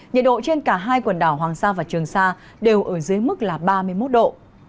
nhiệt độ trên cả hai quần đảo hoàng sa và trường sa đều ở dưới mức là ba mươi một độ